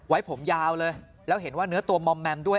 ไว้ผมยาวเลยแล้วเห็นว่าเนื้อตัวมอมแมมด้วย